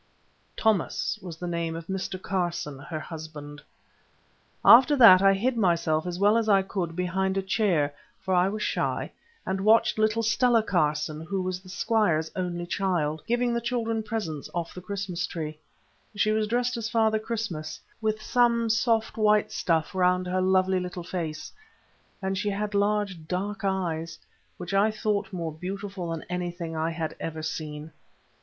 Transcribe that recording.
Thomas was the name of Mr. Carson, her husband. After that I hid myself as well as I could behind a chair, for I was shy, and watched little Stella Carson, who was the squire's only child, giving the children presents off the tree. She was dressed as Father Christmas, with some soft white stuff round her lovely little face, and she had large dark eyes, which I thought more beautiful than anything I had ever seen.